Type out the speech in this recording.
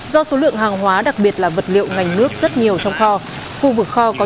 do số lượng hàng hóa đặc biệt là vật liệu ngành nước rất nhiều trong kho